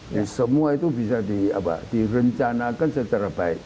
dan semua itu bisa di apa direncanakan secara baik